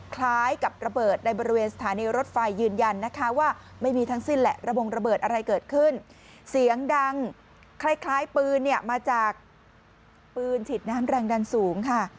คล้ายคล้ายปืนเนี่ยมาจากปืนฉีดน้ำแรงดันสูงค่ะ